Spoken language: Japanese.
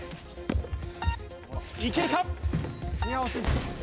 いけるか？